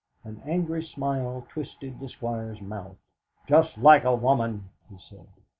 An angry smile twisted the Squire's mouth. "Just like a woman!" he said.